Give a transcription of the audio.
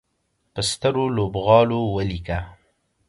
په سترو لوبغالو ولیکه